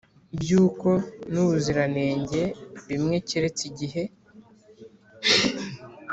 by ubwoko n ubuziranenge bimwe keretse igihe